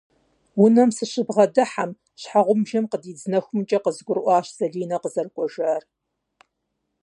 Унэм сыщыбгъэдыхьэм, щхьэгъубжэм къыдидз нэхумкӏэ къызгурыӏуащ Залинэ къызэрыкӏуэжар.